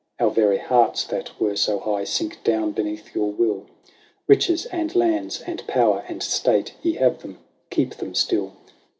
Our very hearts, that were so high, sink down beneath your will. Riches, and lands, and power, and state — ye have them :— keep them still.